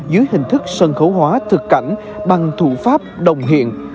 dưới hình thức sân khấu hóa thực cảnh bằng thủ pháp đồng hiện